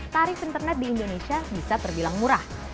tarif internet di indonesia bisa terbilang murah